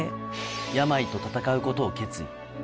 病と闘うことを決意。